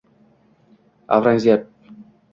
Avrangzeb